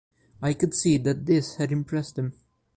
I could see that this had impressed him.